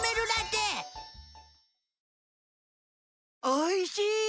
おいしい！